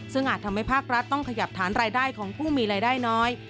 ซึ่งอาจทำให้ภาครัฐต้องขยับฐานรายได้ของผู้มีรายได้น้อย